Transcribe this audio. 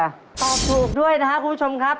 ตอบถูกด้วยนะครับคุณผู้ชมครับ